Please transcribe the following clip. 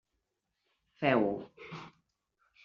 Feu-ho.